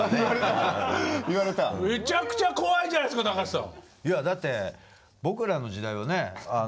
めちゃくちゃ怖いじゃないですか高橋さん。